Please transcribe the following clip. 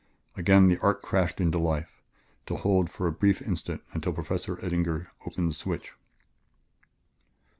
Again the arc crashed into life, to hold for a brief instant until Professor Eddinger opened the switch.